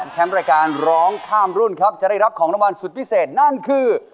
รายการร้องข้ามรุ่นครับจะได้รับของรางวัลสุดพิเศษนั่นคือ